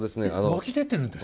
湧き出てるんですか？